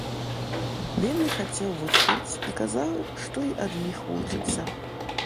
Вельмі хацеў вучыць і казаў, што і ад іх вучыцца.